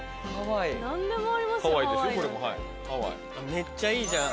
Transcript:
めっちゃいいじゃん。